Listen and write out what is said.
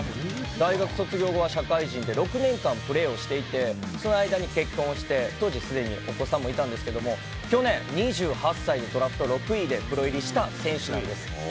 大学卒業後は社会人で６年間プレーをしていて、その間に結婚をして、当時、すでにお子さんもいたんですけれども、去年、２８歳でドラフト６位でプロ入りした選手なんです。